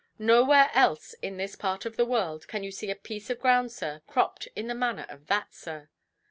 Nowhere else, in this part of the world, can you see a piece of ground, sir, cropped in the manner of that, sir".